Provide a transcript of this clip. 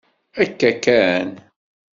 Akka kan.